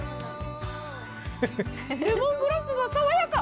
レモングラスがさわやか！